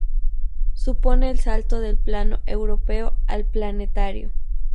Supone el salto del plano europeo al planetario.